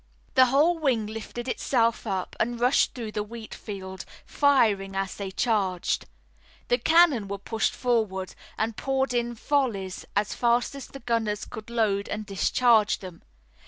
The whole wing lifted itself up and rushed through the wheat field, firing as they charged. The cannon were pushed forward and poured in volleys as fast as the gunners could load and discharge them.